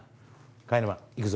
貝沼行くぞ。